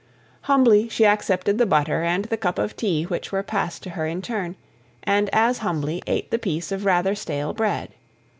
Humbly she accepted the butter and the cup of tea which were passed to her in turn, and as humbly ate the piece of rather stale bread.